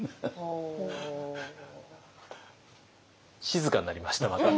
静かになりましたまた。